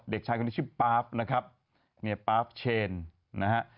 เด็กชายคนนี้ชื่อป๊าบนะครับเนี่ยป๊าบเชนนะฮะ